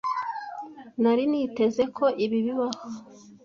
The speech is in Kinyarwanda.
nari niteze ko ibi bibaho.